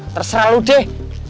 terserah lu deh